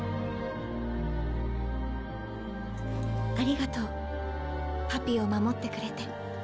ありがとうパピを守ってくれて。